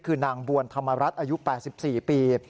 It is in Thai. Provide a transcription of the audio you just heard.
คือนางบวนธรรมรัฐอายุ๘๔ปี